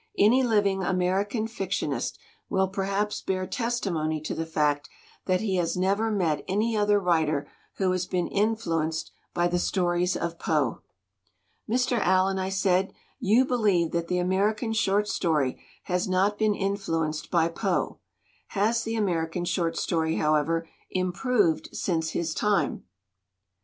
Any living American fictionist will per haps bear testimony to the fact that he has never met any other writer who has been influenced by the stories of Poe." "Mr. Allen," I said, "you believe that the American short story has not been influenced by Poe; has the American short story, however, im proved since his time?"